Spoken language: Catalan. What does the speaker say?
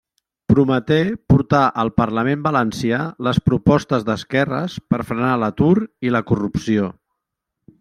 Prometé portar al parlament valencià les propostes d'esquerres per frenar l'atur i la corrupció.